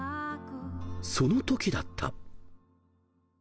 ［そのときだった］